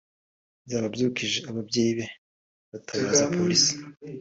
byababyukije ; ababyeyi be batabaza Polisi